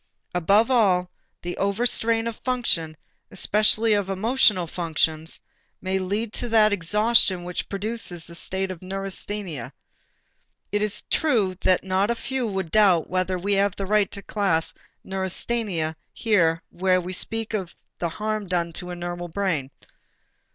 Above all, the overstrain of function, especially of emotional functions, may lead to that exhaustion which produces the state of neurasthenia. It is true that not a few would doubt whether we have the right to class neurasthenia here where we speak of the harm done to the normal brain.